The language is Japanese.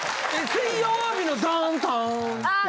水曜日のダウンタウンえっ！？